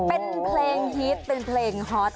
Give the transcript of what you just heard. เป็นเพลงฮิตเป็นเพลงฮอต